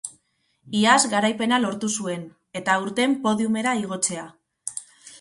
Iaz garaipena lortu zuen, eta aurten podiumera igotzea.